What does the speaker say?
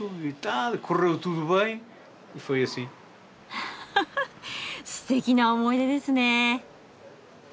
ははっすてきな思い出ですね。